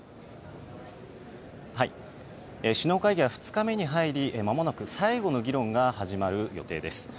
首脳会議は２日目に入り、まもなく最後の議論が始まる予定です。